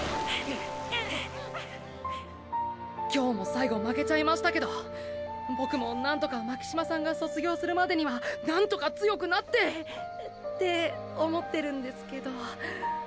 今日も最後負けちゃいましたけどボクもなんとか巻島さんが卒業するまでにはなんとか強くなってって思ってるんですけど。